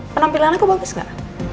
penampilan aku bagus gak